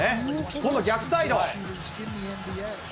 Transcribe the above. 今度逆サイド。